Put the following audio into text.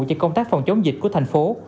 trên công tác phòng chống dịch của thành phố